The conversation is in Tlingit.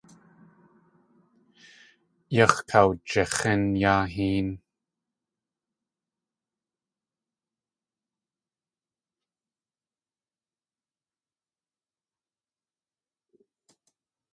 Yax̲ kawjix̲ín yáa héen.